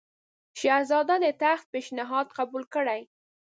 شهزاده د تخت پېشنهاد قبول کړي.